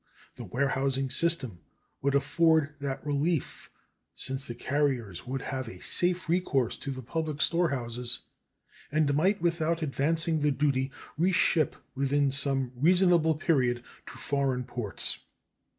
The warehousing system would afford that relief, since the carrier would have a safe recourse to the public storehouses and might without advancing the duty reship within some reasonable period to foreign ports.